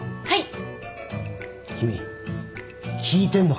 はい！